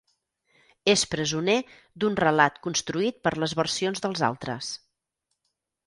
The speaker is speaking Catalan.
És presoner d'un relat construït per les versions dels altres.